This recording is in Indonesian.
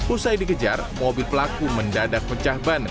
usai dikejar mobil pelaku mendadak pecah ban